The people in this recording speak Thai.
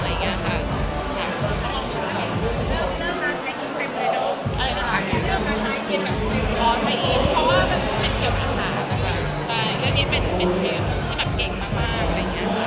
ต้องการตั้งเวลา